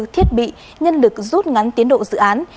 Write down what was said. thiết bị nhân lực rút ngắn tiến độ dự án